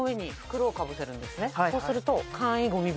そうすると。